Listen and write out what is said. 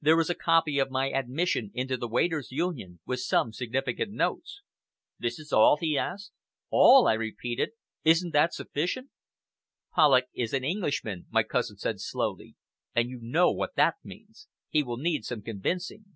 There is a copy of my admission into the Waiters' Union, with some significant notes." "This is all?" he asked. "All!" I repeated. "Isn't it sufficient?" "Polloch is an Englishman," my cousin said slowly, "and you know what that means. He will need some convincing!"